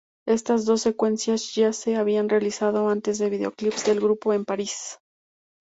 Estas dos secuencias ya se habían realizado antes en videoclips del grupo en París.